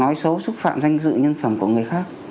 nói xấu xúc phạm danh dự nhân phẩm của người khác